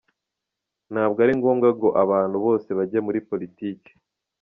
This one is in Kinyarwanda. Ntabwo ari ngombwa ngo abantu bose bajye muri politiki.